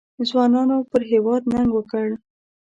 ځوانانو پر هېواد ننګ وکړ.